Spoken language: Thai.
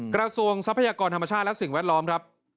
ทรัพยากรธรรมชาติและสิ่งแวดล้อมครับ